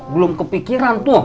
belum kepikiran tuh